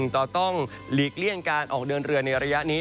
ต่อต้องหลีกเลี่ยงการออกเดินเรือในระยะนี้